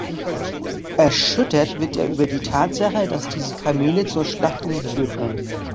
Erschüttert wird er über die Tatsache, dass diese Kamele zur Schlachtung geführt werden.